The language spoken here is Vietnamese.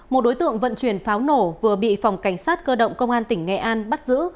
một đối tượng vận chuyển pháo nổ vừa bị phòng cảnh sát cơ động công an tỉnh nghệ an bắt giữ